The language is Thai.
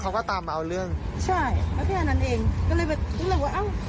แล้วเขาก็ตามมาเอาเรื่องใช่แล้วแค่นั้นเองก็เลยว่าเอ้า